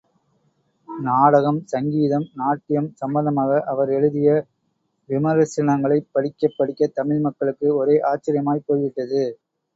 நாடகம், சங்கீதம், நாட்டியம் சம்பந்தமாக அவர் எழுதிய விமரிசனங்களைப் படிக்கப் படிக்கத் தமிழ் மக்களுக்கு ஒரே ஆச்சரியமாகப் போய்விட்டது.